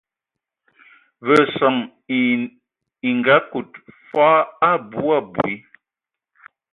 Ve son e ngaakud foo abui abui.